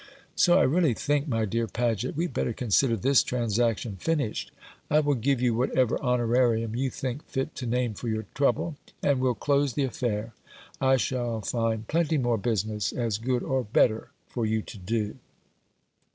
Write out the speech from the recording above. So I really think, my dear Paget, we'd better consider this transaction finished. I will give you whatever honorarium you think fit to name for your trouble, and we'll close the affair. I shall find plenty more business as good, or better, for you to do."